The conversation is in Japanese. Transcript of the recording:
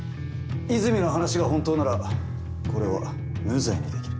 泉の話が本当ならこれは無罪にできる。